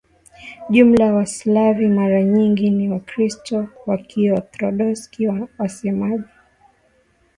jumla Waslavi mara nyingi ni Wakristo wa Kiorthodoksi wasemaji